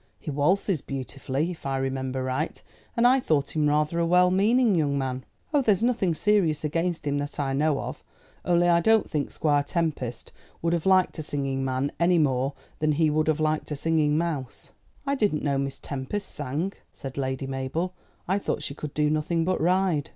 He waltzes beautifully, if I remember right; and I thought him rather a well meaning young man." "Oh, there's nothing serious against him that I know of; only I don't think Squire Tempest would have liked a singing man any more than he would have liked a singing mouse." "I didn't know Miss Tempest sang," said Lady Mabel. "I thought she could do nothing but ride."